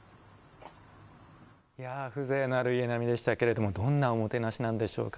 風情のある家並みでしたけれどもどんなおもてなしなんでしょうか。